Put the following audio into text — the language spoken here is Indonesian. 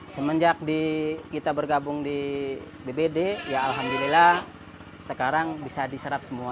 semenjak kita bergabung di bbd ya alhamdulillah sekarang bisa diserap semua